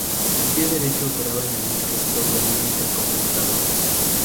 El pie derecho operaba el interruptor de un intercomunicador.